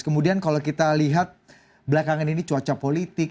kemudian kalau kita lihat belakangan ini cuaca politik